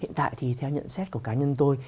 hiện tại thì theo nhận xét của cá nhân tôi